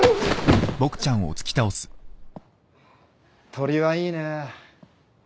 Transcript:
鳥はいいね。